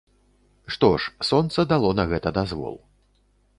Што ж, сонца дало на гэта дазвол.